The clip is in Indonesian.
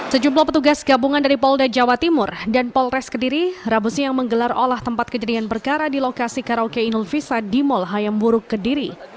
sejumlah petugas gabungan dari polda jawa timur dan polres kediri rabu siang menggelar olah tempat kejadian perkara di lokasi karaoke inul visa di mall hayam buruk kediri